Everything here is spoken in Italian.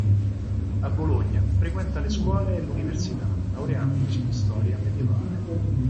A Bologna frequenta le scuole e l'università, laureandosi in storia medievale.